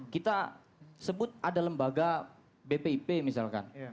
kita sebut ada lembaga bpip misalkan